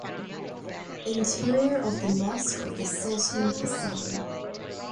Interior of the Mosque of the Sultan Hassan.